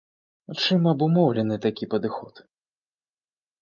Чым абумоўлены такі падыход?